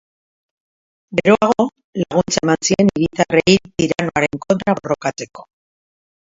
Geroago, laguntza eman zien hiritarrei tiranoaren kontra borrokatzeko.